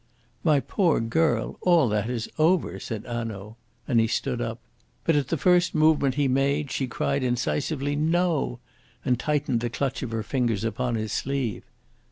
"My poor girl, all that is over," said Hanaud. And he stood up. But at the first movement he made she cried incisively, "No," and tightened the clutch of her fingers upon his sleeve.